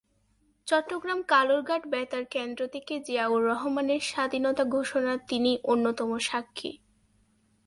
চট্টগ্রাম কালুরঘাট বেতার কেন্দ্র থেকে জিয়াউর রহমানের স্বাধীনতা ঘোষণার তিনি অন্যতম স্বাক্ষী।